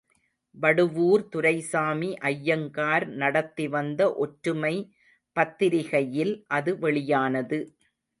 வடுவூர் துரைசாமி ஐயங்கார் நடத்தி வந்த ஒற்றுமை பத்திரிகையில் அது வெளியானது.